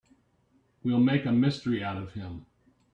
We'll make a mystery out of him.